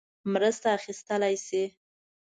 مرسته اخیستلای شي.